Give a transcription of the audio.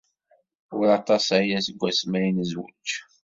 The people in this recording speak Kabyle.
Ur aṭas aya seg wasmi ay nezwej.